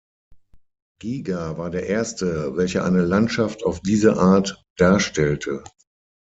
Gyger war der erste, welcher eine Landschaft auf diese Art darstellte.